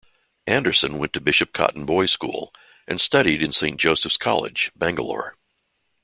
Anderson went to Bishop Cotton Boys' School and studied in Saint Joseph's College, Bangalore.